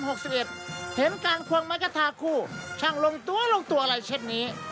เห็นการควงไม้กระทาคู่ช่างลงตัวลงตัวอะไรเช่นนี้